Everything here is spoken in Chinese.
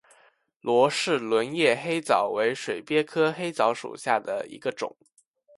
罗氏轮叶黑藻为水鳖科黑藻属下的一个种。